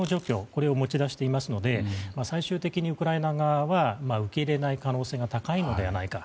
これを持ち出していますので最終的にウクライナ側は受け入れない可能性が高いのではないか。